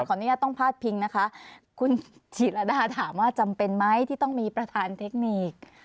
อนุญาตต้องพาดพิงนะคะคุณธีรดาถามว่าจำเป็นไหมที่ต้องมีประธานเทคนิค